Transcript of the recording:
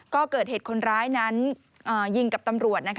ก็เกิดเหตุคนร้ายนั้นยิงกับตำรวจ